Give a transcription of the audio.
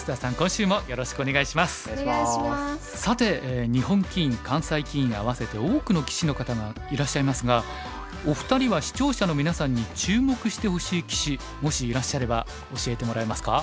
さて日本棋院関西棋院合わせて多くの棋士の方がいらっしゃいますがお二人は視聴者のみなさんに注目してほしい棋士もしいらっしゃれば教えてもらえますか？